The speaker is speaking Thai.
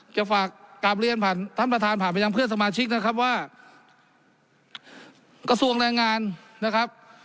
จะฝากกลับเรียนผ่านท่านประธานผ่านไปยังเพื่อนสมาชิกนะครับว่ากระทรวงแรงงานนะครับ